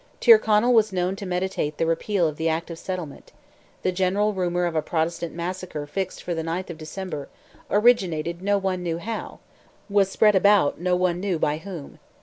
Tyrconnell was known to meditate the repeal of the Act of Settlement; the general rumour of a Protestant massacre fixed for the 9th of December, originated no one knew how, was spread about no one knew by whom.